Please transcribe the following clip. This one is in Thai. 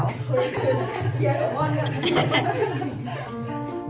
สู่ขอม่อนเหรอ